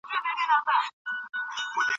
بې اسناده ژوند ستونزې زياتوي.